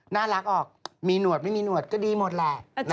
น่ารักออกมีหนวดไม่มีหนวดก็ดีหมดแหละ